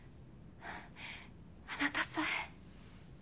あなたさえ。